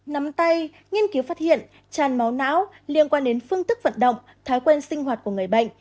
nắm tay nghiên cứu phát hiện tràn máu não liên quan đến phương thức vận động thói quen sinh hoạt của người bệnh